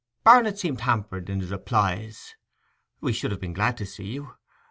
Barnet seemed hampered in his replies. 'We should have been glad to see you.